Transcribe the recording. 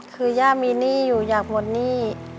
คือย่ามีหนี้อยู่อยากหมดหนี้